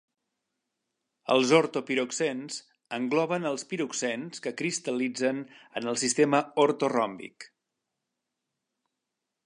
Els ortopiroxens engloben els piroxens que cristal·litzen en el sistema ortoròmbic.